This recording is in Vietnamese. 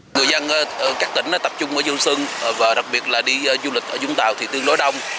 người dân ở các tỉnh tập trung ở dương sơn và đặc biệt là đi du lịch ở vũng tàu thì tương đối đông